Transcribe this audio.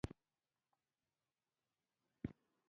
غوږونه اوریدلي غږونه د عصبي ولیو په مرسته مغزو ته وړي